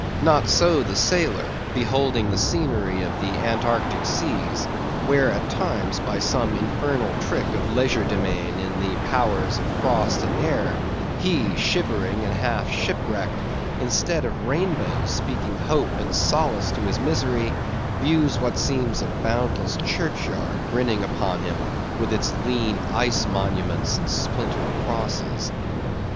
Not so the sailor, beholding the scenery of the Antarctic seas; where at times, by some infernal trick of legerdemain in the powers of frost and air, he, shivering and half shipwrecked, instead of rainbows speaking hope and solace to his misery, views what seems a boundless churchyard grinning upon him with its lean ice monuments and splintered crosses.